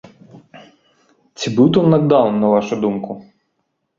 Ці быў там накдаўн, на вашу думку?